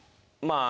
まあ。